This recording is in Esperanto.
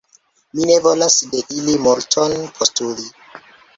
Mi ne volas de ili multon postuli.